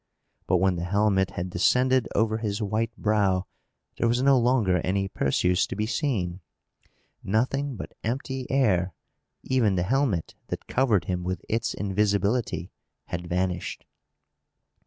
But when the helmet had descended over his white brow, there was no longer any Perseus to be seen! Nothing but empty air! Even the helmet, that covered him with its invisibility, had vanished!